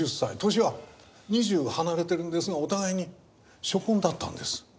年は２０離れてるんですがお互いに初婚だったんです。